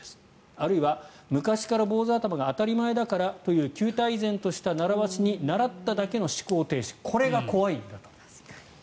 あるいは昔から坊主頭が当たり前だからという旧態依然とした習わしに倣っただけのこれが怖いんだと。